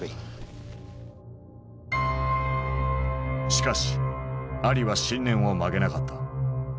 しかしアリは信念を曲げなかった。